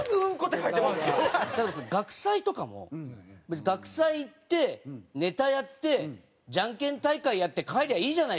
例えば学祭とかも別に学祭行ってネタやってじゃんけん大会やって帰りゃいいじゃないですか。